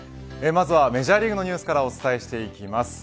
まずはメジャーリーグのニュースからお伝えしていきます。